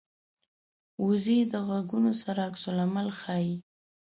وزې د غږونو سره عکس العمل ښيي